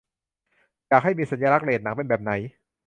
อยากให้สัญลักษณ์เรตหนังเป็นแบบไหน